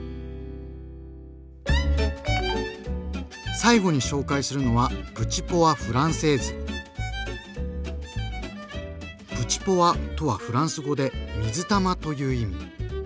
最後に紹介するのは「プチポワ」とはフランス語で「水玉」という意味。